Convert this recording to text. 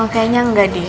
kayanya engga deh